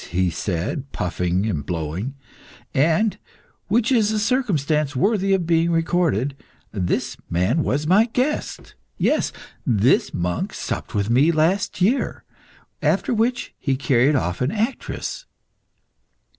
he said, puffing and blowing. "And which is a circumstance worthy of being recorded this man was my guest. Yes, this monk supped with me last year, after which he carried off an actress."